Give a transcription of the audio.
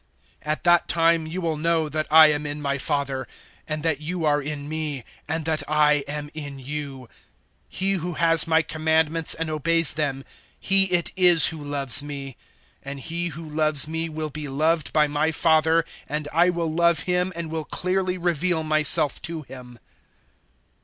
014:020 At that time you will know that I am in my Father, and that you are in me, and that I am in you. 014:021 He who has my commandments and obeys them he it is who loves me. And he who loves me will be loved by my Father, and I will love him and will clearly reveal myself to him."